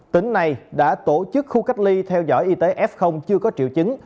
tỉnh này đã tổ chức khu cách ly theo dõi y tế f chưa có triệu chứng